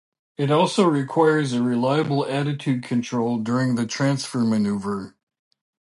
It also requires a reliable attitude control during the transfer maneuver.